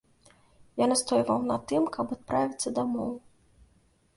Я настойваў на тым, каб адправіцца дамоў.